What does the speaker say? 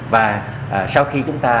và sau khi chúng ta